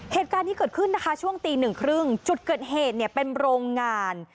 เหตุการณ์ที่เกิดขึ้นช่วงตี๑๓๐จุดเกิดเหตุเป็นโรงงาน